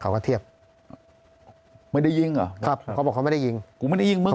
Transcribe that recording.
เขาก็เทียบไม่ได้ยิงเหรอครับเขาบอกเขาไม่ได้ยิงกูไม่ได้ยิงมึง